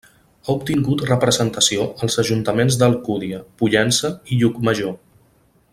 Ha obtingut representació als ajuntaments d'Alcúdia, Pollença i Llucmajor.